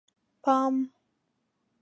_پام!!!